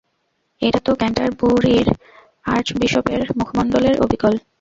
এটা তো ক্যান্টারবুরির আর্চবিশপের মুখমণ্ডলের অবিকল।